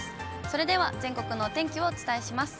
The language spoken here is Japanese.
それでは全国のお天気をお伝えします。